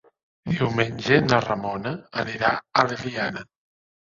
Diumenge na Ramona anirà a l'Eliana.